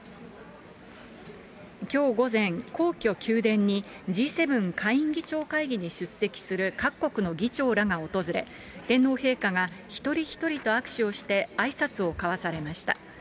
きょう午前、皇居・宮殿にＧ７下院議長会議に出席する各国の議長らが訪れ、天皇陛下が一人一人と握手をして、あいさつを交わされました。